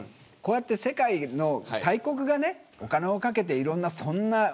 こうやって世界の大国がねお金をかけていろんなそんな